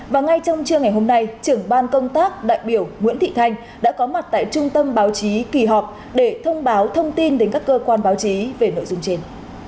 và ngay trong trưa ngày hôm nay trưởng ban công tác đại biểu nguyễn thị thanh đã có mặt tại trung tâm báo chí kỳ họp để thông báo thông tin đến các cơ quan báo chí về nội dung trên